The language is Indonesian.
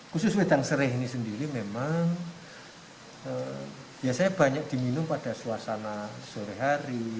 khusus wedang seraih ini sendiri memang biasanya banyak diminum pada suasana sore hari